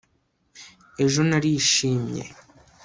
Ejo narishimye